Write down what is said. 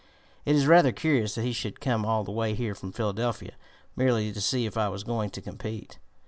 It is rather curious that he should come all the way here from Philadelphia, merely to see if I was going to compete.